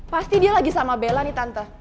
pasti dia lagi sama bella nih tante